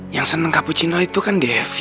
yang seneng capuccino itu kan devi